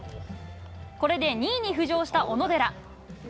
これで２位に浮上した小野寺。